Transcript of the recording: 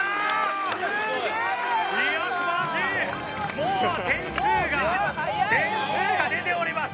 もう点数が点数が出ております。